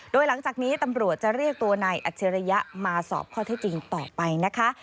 โดยหลังจากนี้ตำรวจจะเรียกตัวนายอัจฉริยะมาสอบข้อเท็จจริงต่อไปนะคะ